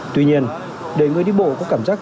tuy nhiên để người đi bộ có cảm giác